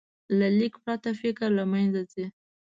له لیک پرته، فکر له منځه ځي.